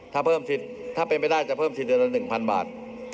ถ้าเพิ่มสิทธิ์ถ้าเป็นไม่ได้จะเพิ่มสิทธิเดือนละ๑๐๐บาท